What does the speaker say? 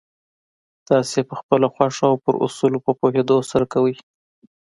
تاسې يې پخپله خوښه او پر اصولو په پوهېدو سره کوئ.